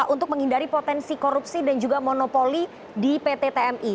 untuk menghindari potensi korupsi dan juga monopoli di pt tmi